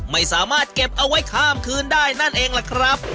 ไม่สามารถเก็บเอาไว้ข้ามคืนได้นั่นเองล่ะครับ